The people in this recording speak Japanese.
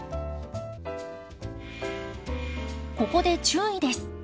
ここで注意です。